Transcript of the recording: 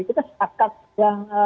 kita setakat yang